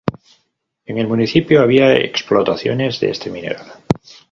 En el municipio había explotaciones de este mineral.